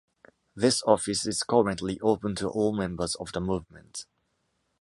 This office is currently open to all members of the Movement.